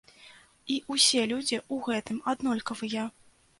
І ўсе людзі ў гэтым аднолькавыя.